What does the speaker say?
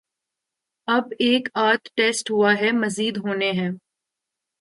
اب ایک آدھ ٹیسٹ ہوا ہے، مزید ہونے ہیں۔